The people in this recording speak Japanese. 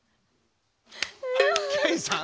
ケイさん？